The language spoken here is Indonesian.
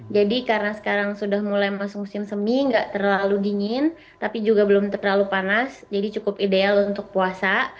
jadi karena sekarang sudah mulai masuk musim semi nggak terlalu dingin tapi juga belum terlalu panas jadi cukup ideal untuk puasa